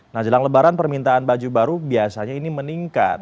nah jelang lebaran permintaan baju baru biasanya ini meningkat